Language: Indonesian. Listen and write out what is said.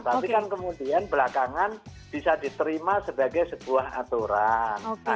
tapi kan kemudian belakangan bisa diterima sebagai sebuah aturan